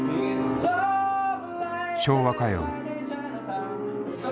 昭和歌謡。